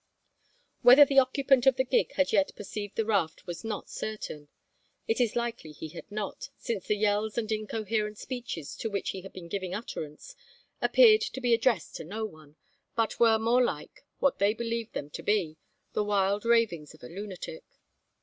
Whether the occupant of the gig had yet perceived the raft was not certain. It is likely he had not, since the yells and incoherent speeches to which he had been giving utterance appeared to be addressed to no one, but were more like what they believed them to be the wild ravings of a lunatic.